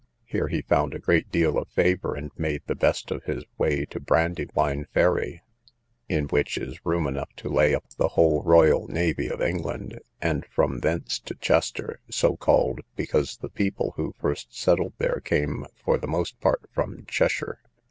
Here he found a great deal of favour, and made the best of his way to Brandywine Ferry, in which is room enough to lay up the whole royal navy of England; and from thence to Chester, so called, because the people who first settled there came for the most part from Cheshire.